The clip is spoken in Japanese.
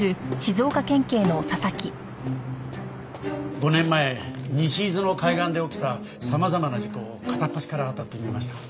５年前西伊豆の海岸で起きた様々な事故を片っ端から当たってみました。